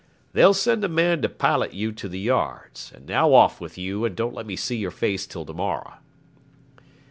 'They'll send a man to pilot you to the yards; and now off with you, and don't let me see your face till to morrow.'